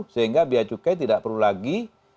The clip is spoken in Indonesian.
sehingga biaya cukai tidak perlu lagi